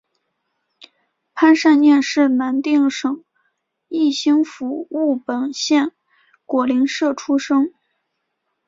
潘善念是南定省义兴府务本县果灵社出生。